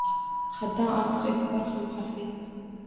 Haddan ortiq e’tibor ham xavfli.